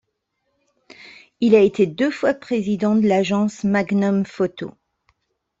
Il a été deux fois président de l'agence Magnum Photos.